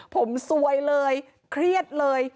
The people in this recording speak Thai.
ผมซวยเลยเครียดเลย